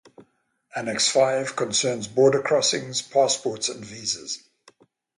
Annex Five concerns Border Crossings, passports and visas.